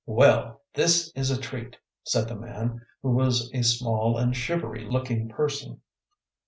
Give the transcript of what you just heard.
"Well, this is a treat!" said the man, who was a small and shivery looking person.